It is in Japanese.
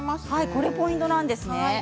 これがポイントですね。